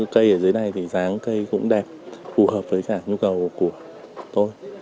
cây ở dưới này thì ráng cây cũng đẹp phù hợp với cả nhu cầu của tôi